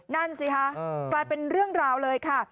นั่นสิคะกลายเป็นเรื่องราวเลยค่ะ